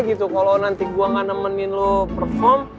gitu kalau nanti gue gak nemenin lo perform